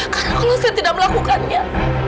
karena kalau saya tidak melakukannya